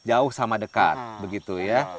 jauh sama dekat begitu ya